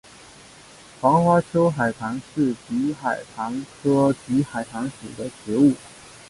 黄花秋海棠是秋海棠科秋海棠属的植物。